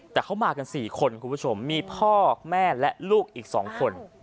แต่เขามากัน๔คนคุณผู้ชมมีพ่อแม่และลูกอีก๒คน